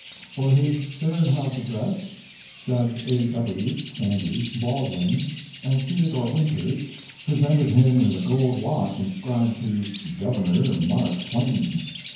For his Third House address Judge A. W. (Sandy) Baldwin and Theodore Winters presented him with a gold watch inscribed to "Governor Mark Twain."